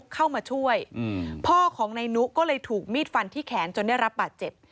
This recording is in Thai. ก็เลยถูกมีดฟันที่แขนจนได้รับปัดเจ็บ